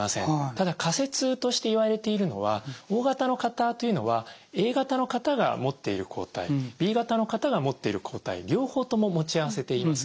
ただ仮説としていわれているのはＯ型の方というのはＡ型の方が持っている抗体Ｂ型の方が持っている抗体両方とも持ち合わせています。